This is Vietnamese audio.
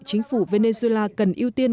chính phủ venezuela cần ưu tiên